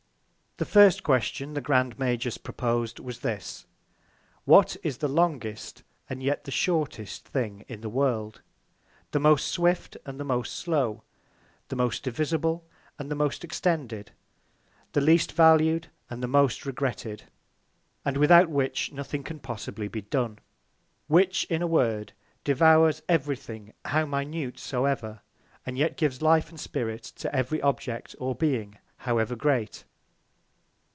The first Question the Grand Magus propos'd was this: What is the longest and yet the shortest Thing in the World; the most swift and the most slow; the most divisible, and the most extended; the least valu'd, and the most regretted; And without which nothing can possibly be done: Which, in a Word, devours every Thing how minute soever, and yet gives Life and Spirit to every Object or Being, however Great?